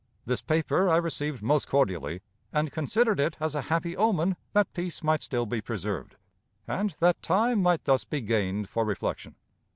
This paper I received most cordially, and considered it as a happy omen that peace might still be preserved, and that time might thus be gained for reflection.